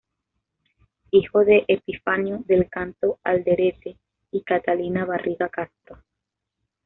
Hijo de Epifanio del Canto Alderete y Catalina Barriga Castro.